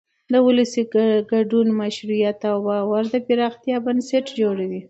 د ولس ګډون د مشروعیت او باور د پراختیا بنسټ جوړوي